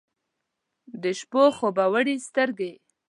د شپو خوب وړي سترګې